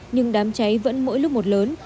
nhưng đám cháy vẫn mỗi lúc một lớn